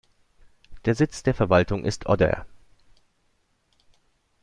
Der Sitz der Verwaltung ist Odder.